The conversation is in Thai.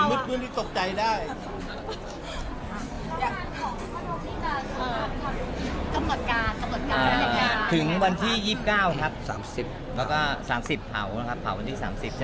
ก็อยากให้คนมีความสุขกับพวกเราไปด้วย